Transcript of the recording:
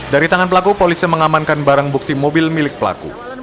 dari tangan pelaku polisi mengamankan barang bukti mobil milik pelaku